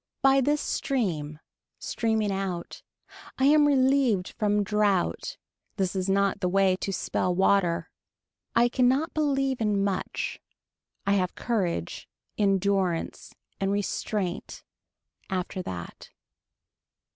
By this stream. Streaming out. I am relieved from draught. This is not the way to spell water. I cannot believe in much. I have courage. Endurance. And restraint. After that.